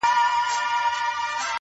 ګېډۍ، ګېډۍ ګلونه وشيندله!!